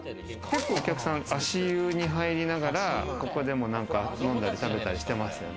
結構お客さん、足湯に入りながら、ここでも飲んだり食べたりしてますよ。